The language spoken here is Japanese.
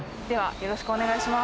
よろしくお願いします。